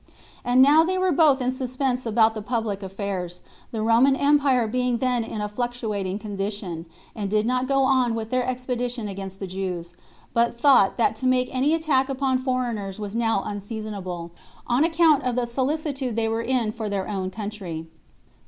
And now they were both in suspense about the public affairs, the Roman empire being then in a fluctuating condition, and did not go on with their expedition against the Jews, but thought that to make any attack upon foreigners was now unseasonable, on account of the solicitude they were in for their own country.